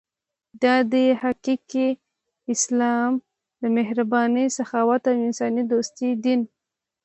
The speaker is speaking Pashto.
دا دی حقیقي اسلام د مهربانۍ، سخاوت او انسان دوستۍ دین.